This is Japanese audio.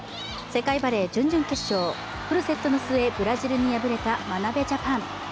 世界バレー準々決勝フルセットの末、ブラジルに敗れた眞鍋ジャパン。